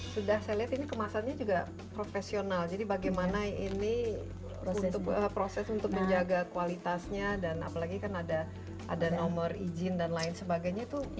sudah saya lihat ini kemasannya juga profesional jadi bagaimana ini proses untuk menjaga kualitasnya dan apalagi kan ada nomor izin dan lain sebagainya itu